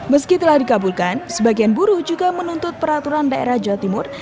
meski telah dikabulkan sebagian buruh juga menuntut peraturan daerah jawa timur